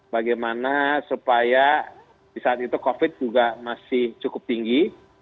bagaimana supaya di saat itu covid juga masih cukup tinggi